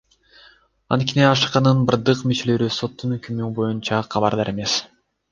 Анткени АШКнын бардык мүчөлөрү соттун өкүмү боюнча кабардар эмес.